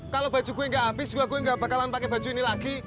kalo baju gue ga abis gue ga bakalan pake baju ini lagi